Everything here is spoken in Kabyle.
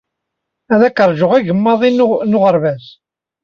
Ad k-ṛjuɣ agemmaḍ-in i uɣerbaz.